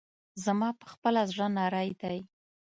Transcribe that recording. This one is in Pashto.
زما پخپله زړه نری دی.